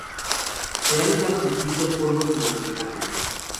Se han usado distintos polvos como lubricantes.